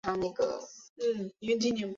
此后元朝时趋于没落。